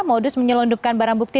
modus menyelundupkan barang bukti